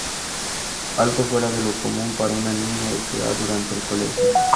Algo fuera de lo común para una niña de su edad durante el colegio.